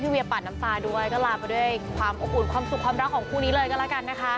เวียปั่นน้ำตาด้วยก็ลาไปด้วยความอบอุ่นความสุขความรักของคู่นี้เลยก็แล้วกันนะคะ